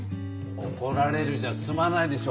怒られるじゃ済まないでしょ。